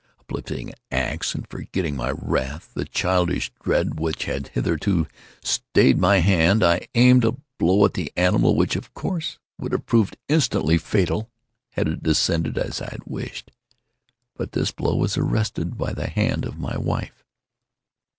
Uplifting an axe, and forgetting, in my wrath, the childish dread which had hitherto stayed my hand, I aimed a blow at the animal which, of course, would have proved instantly fatal had it descended as I wished. But this blow was arrested by the hand of my wife.